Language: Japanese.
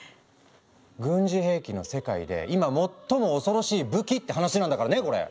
軍事兵器の世界で今最も恐ろしい武器って話なんだからねこれ。